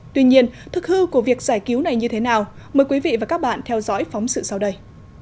tuy nhiên thực hư của việc giải cứu này như thế nào mời quý vị và các bạn theo dõi phóng sự sau đây